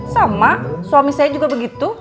sama suami saya juga begitu